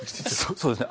そうですね。